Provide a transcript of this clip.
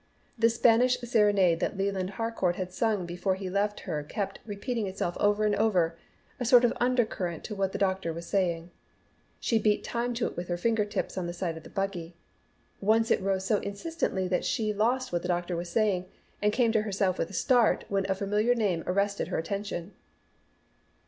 The Spanish serenade that Leland Harcourt had sung before he left kept repeating itself over and over, a sort of undercurrent to what the doctor was saying. She beat time to it with her finger tips on the side of the buggy. Once it rose so insistently that she lost what the doctor was saying, and came to herself with a start when a familiar name arrested her attention.